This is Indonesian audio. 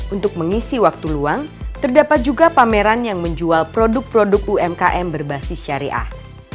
untuk mengisi waktu luang terdapat juga pameran yang menjual produk produk umkm berbasis syariah